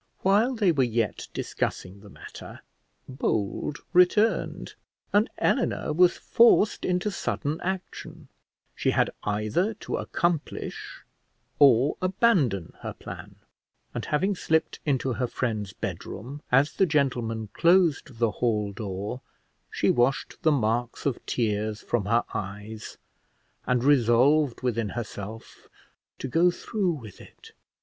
While they were yet discussing the matter, Bold returned, and Eleanor was forced into sudden action: she had either to accomplish or abandon her plan; and having slipped into her friend's bedroom, as the gentleman closed the hall door, she washed the marks of tears from her eyes, and resolved within herself to go through with it.